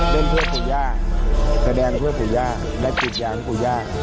เป็นเพื่อขุย่าแสดงเพื่อขุย่าและจิตอย่างขุย่า